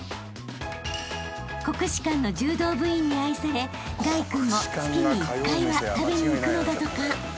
［国士舘の柔道部員に愛され凱君も月に１回は食べに行くのだとか］